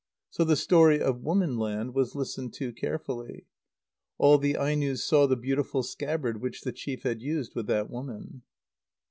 So the story of woman land was listened to carefully. All the Ainos saw the beautiful scabbard which the chief had used with that woman.